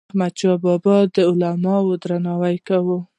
احمدشاه بابا به د علماوو درناوی کاوه.